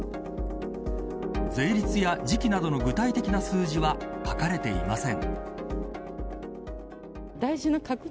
税率や時期などの具体的な数字は書かれていません。